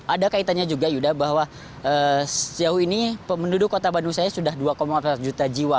ada kaitannya juga yuda bahwa sejauh ini penduduk kota bandung saya sudah dua empat juta jiwa